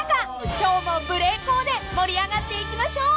［今日も無礼講で盛り上がっていきましょう！］